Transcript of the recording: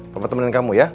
kepetemuanin kamu ya